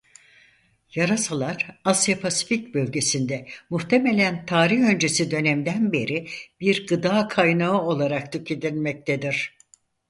Yarasalar Asya-Pasifik bölgesinde muhtemelen tarih öncesi dönemden beri bir gıda kaynağı olarak tüketilmektedir.